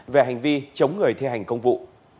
về hành vi chống người thi hành công vụ